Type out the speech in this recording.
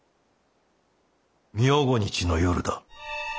明後日の夜だ。